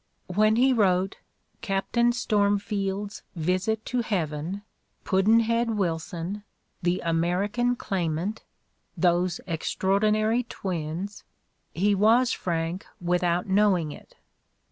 When he wrote "Captain Stormfield's Visit to Heaven," "Pudd'nhead Wilson," "The American Claimant," "Those Extraordinary Twins," he was frank without knowing it.